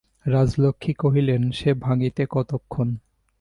রাজলক্ষ্মী কহিলেন, সে ভাঙিতে কতক্ষণ।